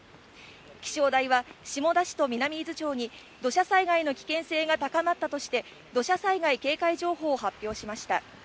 気象台は、下田市と南伊豆町に、土砂災害の危険性が高まったとして、土砂災害警戒情報を発表しました。